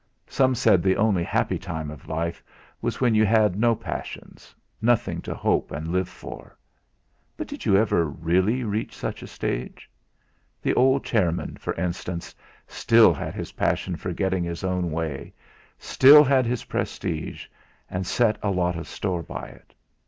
Some said the only happy time of life was when you had no passions, nothing to hope and live for. But did you really ever reach such a stage? The old chairman, for instance, still had his passion for getting his own way, still had his prestige, and set a lot of store by it!